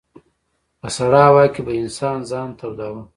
په سړه هوا کې به انسان ځان توداوه.